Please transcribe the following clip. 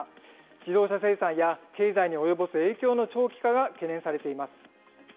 自動車生産や経済に及ぼす影響の長期化が懸念されています。